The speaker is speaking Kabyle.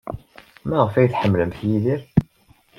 Maɣef ay tḥemmlemt Yidir?